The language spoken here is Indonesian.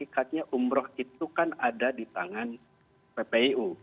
dan hakikatnya umroh itu kan ada di tangan ppu